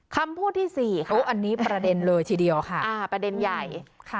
คำพูดที่สี่เขาอันนี้ประเด็นเลยทีเดียวค่ะอ่าประเด็นใหญ่ค่ะ